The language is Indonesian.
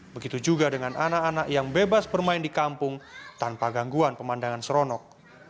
begitu juga dengan anak anak yang bebas bermain di kampung tanpa gangguan pemandangan seronok